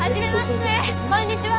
こんにちは。